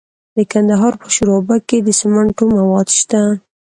د کندهار په شورابک کې د سمنټو مواد شته.